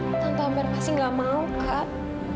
kak tante ambar pasti gak mau kak